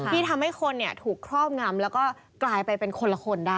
ที่ทำให้คนถูกครอบงำแล้วก็กลายไปเป็นคนละคนได้